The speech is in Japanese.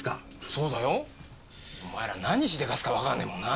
そうだよ。お前ら何しでかすかわかんねえもんな。